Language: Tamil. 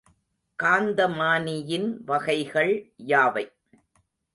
காந்தமானியின் வகைகள் யாவை?